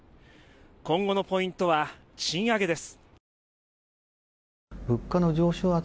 今後のポイントは賃上げです。